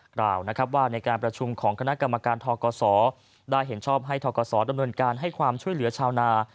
กล่าวนะครับว่าในการประชุมของคณะกรรมการทกศได้เห็นชอบให้ทกศดำเนินการให้ความช่วยเหลือชาวนา